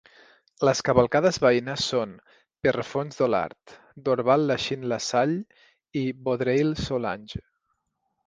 Les cavalcades veïnes són Pierrefonds-Dollard, Dorval-Lachine-LaSalle i Vaudreuil-Soulanges.